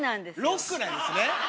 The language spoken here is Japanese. ロックなんですね。